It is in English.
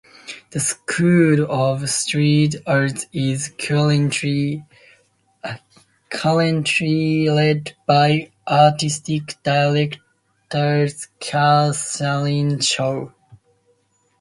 The School of Theatre Arts is currently led by Artistic Director Kathryn Shaw.